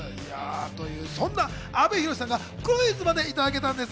そんな阿部寛さんがクイズまでくださったんです。